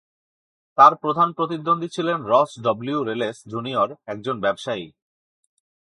তার প্রধান প্রতিদ্বন্দ্বী ছিলেন রস ডব্লিউ. রেলেস, জুনিয়র একজন ব্যবসায়ী।